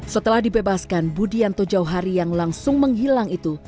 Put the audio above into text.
setelah dibebaskan budianto jauhari yang langsung menghilang itu